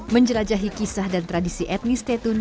menjelajahi kisah dan tradisi etnis tetun